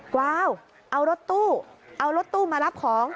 กวาวเอารถตู้เอารถตู้มารับของ